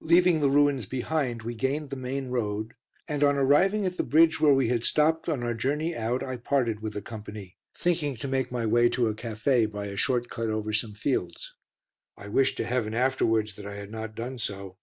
Leaving the ruins behind we gained the main road, and on arriving at the bridge where we had stopped on our journey out, I parted with the company, thinking to make my way to a café by a short cut over some fields. I wished to heaven afterwards that I had not done so.